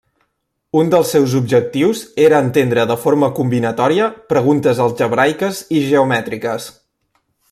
Un dels seus objectius era entendre de forma combinatòria preguntes algebraiques i geomètriques.